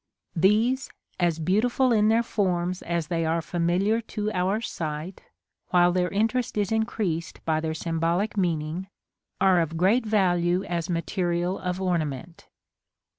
These, as beautiful in their forms as they are familiar to our sight, while their interest is increased by their symbolic meaning, are of great value as material of ornament.